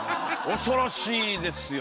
恐ろしいですよ。